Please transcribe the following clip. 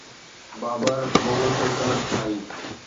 بابر مغل سلطنت ٺاهي.